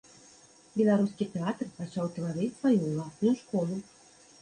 Беларускі тэатр пачаў тварыць сваю ўласную школу.